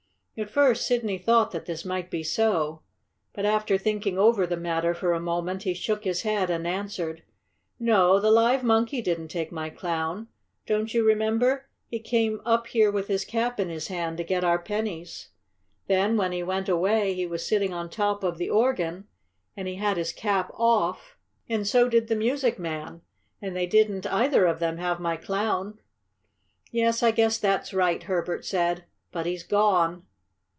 At first Sidney thought that this might be so, but, after thinking over the matter for a moment, he shook his head and answered: "No, the live monkey didn't take my Clown. Don't you remember? He came up here with his cap in his hand to get our pennies. Then, when he went away, he was sitting on top of the organ and he had his cap off and so did the music man, and they didn't either of them have my Clown." "Yes, I guess that's right," Herbert said. "But he's gone."